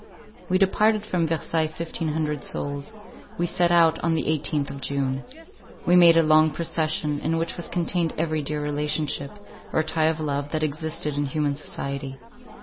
We departed from Versailles fifteen hundred souls. We set out on the eighteenth of June. We made a long procession, in which was contained every dear relationship, or tie of love, that existed in human society.